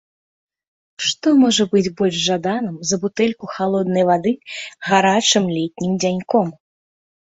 Што можа быць больш жаданым за бутэльку халоднай вады гарачым летнім дзяньком?